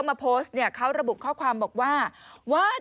ไม่ค่อยดีนะมาจัดฐานความสะอาด